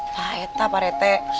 paheta pak rete